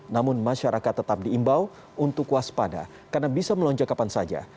namun masyarakat tetap diimbau untuk waspada karena bisa melonjak kapan saja